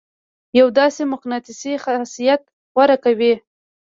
يو داسې مقناطيسي خاصيت غوره کوي.